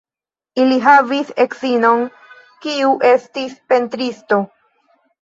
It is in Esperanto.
Li havis edzinon, kiu estis pentristo.